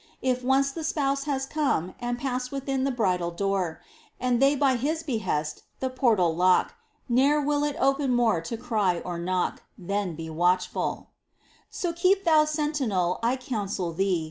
If once the Spouse Has come and passed within the bridal door, And they by His behest the portal lock, Ne'er will it open more to cry or knock Then watchful be ! So keep thou sentinel, I counsel thee.